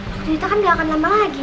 waktu kita kan ga akan lama lagi